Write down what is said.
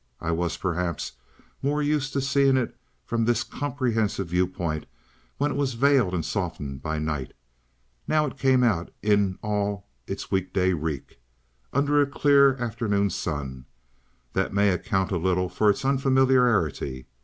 I was, perhaps, more used to seeing it from this comprehensive view point when it was veiled and softened by night; now it came out in all its weekday reek, under a clear afternoon sun. That may account a little for its unfamiliarity.